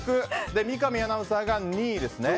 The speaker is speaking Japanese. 三上アナウンサーが２位です。